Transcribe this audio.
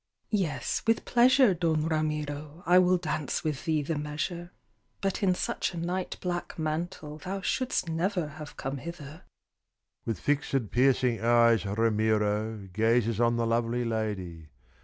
"Yes, with pleasure, Don Ramiro, I will dance with thee the measure; But in such a night black mantle Thou shouldst never have come hither." With fixed, piercing eyes, Ramiro Gazes on the lovely lady.